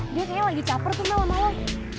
dia kayaknya lagi caper tuh malam malam